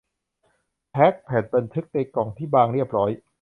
แพ็คแผ่นบันทึกในกล่องที่บางเรียบร้อย